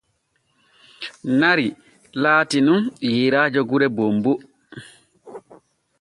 Nari laati nun yeeraajo gure bonbo.